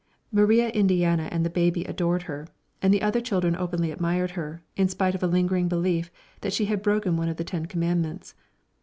Maria Indiana and the baby adored her, and the other children openly admired her, in spite of a lingering belief that she had broken one of the Ten Commandments.